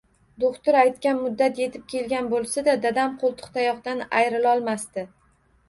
Doʻxtir aytgan muddat yetib kelgan boʻlsa-da, dadam qoʻltiqtayoqdan ayrilolmasdi.